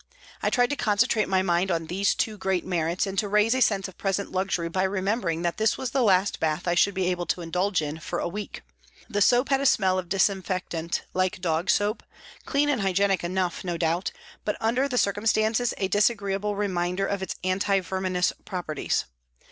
I tried to concentrate my mind on these two great merits and to raise a sense of present luxury by remembering that this was the last bath I should be able to indulge in for a week. The soap had a smell of disinfectant like dog soap, clean and hygienic enough, no doubt, but under the circumstances a disagreeable reminder of its anti verminous properties.